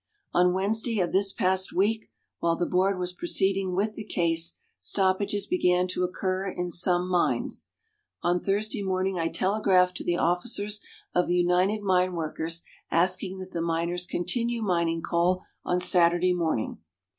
On Wednesday of this past week, while the Board was proceeding with the case, stoppages began to occur in some mines. On Thursday morning I telegraphed to the officers of the United Mine Workers asking that the miners continue mining coal on Saturday morning.